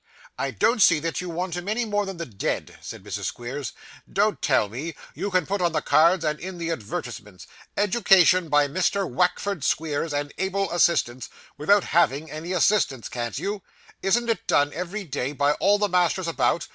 'I don't see that you want him any more than the dead,' said Mrs. Squeers. 'Don't tell me. You can put on the cards and in the advertisements, "Education by Mr. Wackford Squeers and able assistants," without having any assistants, can't you? Isn't it done every day by all the masters about?